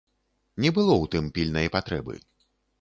Не было ў тым пільнай патрэбы.